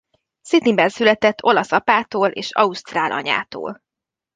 Sydney-ben született olasz apától és ausztrál anyától.